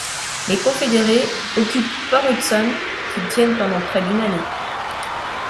Les confédérés occupent Port Hudson, qu'ils tiennent pendant près d'une année.